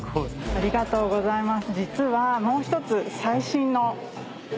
ありがとうございます。